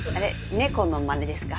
猫のマネですか？